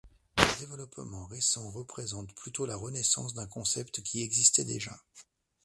Leur développement récent représente plutôt la renaissance d'un concept qui existait déjà.